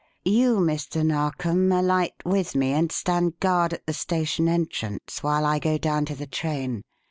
You, Mr. Narkom, alight with me and stand guard at the station entrance while I go down to the train.